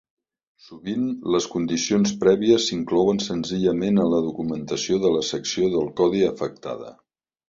Sovint, les condicions prèvies s'inclouen senzillament en la documentació de la secció del codi afectada.